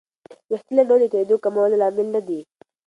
ویښتې لنډول د توېیدو د کمولو لامل نه دی.